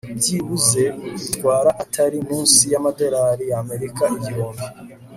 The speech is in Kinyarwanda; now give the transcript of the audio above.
byibuze bitwara atari munsi y'amadolari ya amerika igihumbi